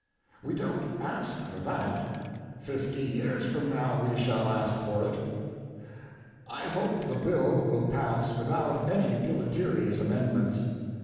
We don't ask for that. Fifty years from now we shall ask for it. I hope the bill will pass without any deleterious amendments.